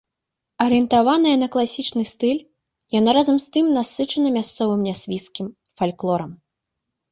Арыентаваная на класічны стыль, яна разам з тым насычана мясцовым нясвіжскім фальклорам.